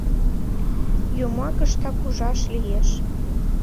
Йомакыштак ужаш лиеш.